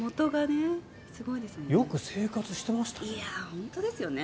よく生活してましたね。